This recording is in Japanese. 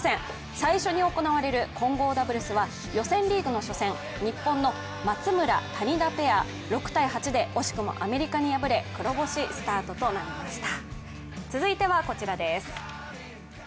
最初に行われる混合ダブルスは予選リーグの初戦日本の松村・谷田ペア、６−８で惜しくもアメリカに敗れ黒星スタートとなりました。